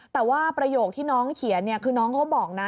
แต่ว่าประโยคที่น้องเขียนคือน้องเขาบอกนะ